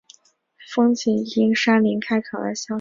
风景因山林开垦而消失